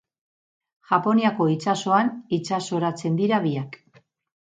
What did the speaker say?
Japoniako itsasoan itsasoratzen dira biak.